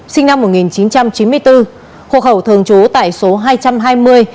sinh năm một nghìn chín trăm chín mươi bốn hộ khẩu thường trú tại số hai trăm hai mươi